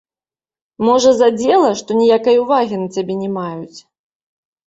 Можа, задзела, што ніякай увагі на цябе не маюць?